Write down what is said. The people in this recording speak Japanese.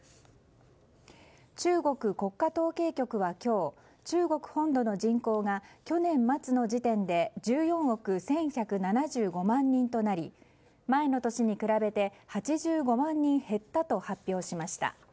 中国国家統計局は今日中国本土の人口が去年末の時点で１４億１１７５万人となり前の年に比べて８５万人減ったと発表しました。